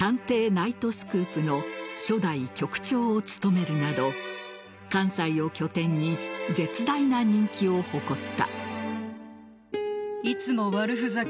ナイトスクープ」の初代局長を務めるなど関西を拠点に絶大な人気を誇った。